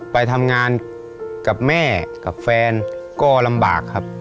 ไปทำงานกับแม่กับแฟนก็ลำบากครับ